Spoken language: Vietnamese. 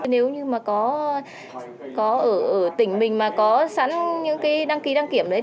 nếu như mà có ở tỉnh mình mà có sẵn những cái đăng ký đăng kiểm đấy